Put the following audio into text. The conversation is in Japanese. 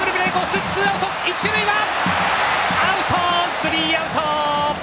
スリーアウト！